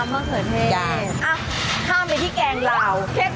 น้ำมะเขือเทศ